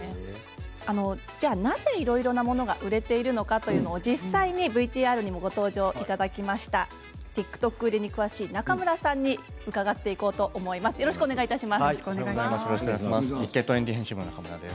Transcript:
じゃあなぜいろいろなものが売れているのかというと実際にＶＴＲにもご登場いただきましたＴｉｋＴｏｋ売れに詳しい中村さんによろしくお願いします。